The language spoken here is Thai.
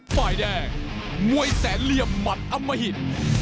ฝ่ายแดงมวยแสนเหลี่ยมหมัดอมหิต